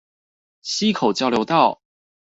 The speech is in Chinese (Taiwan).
溪口交流道